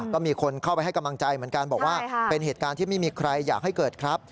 ก็มีคนเข้าไปให้กำลังใจเหมือนกันบอกว่าเป็นเหตุการณ์ที่ไม่มีใครอยากให้เกิดครับ